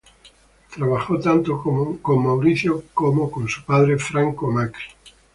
Trabajó tanto con Mauricio, como con su padre Franco Macri.